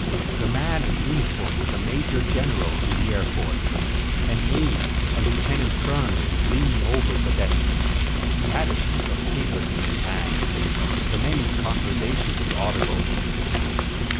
The man in uniform was a major general in the Air Force. An aide, a lieutenant colonel, was leaning over the desk. He had a sheaf of papers in his hand. The men's conversation was audible.